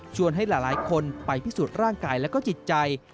ให้หลายคนไปพิสูจน์ร่างกายและก็จิตใจ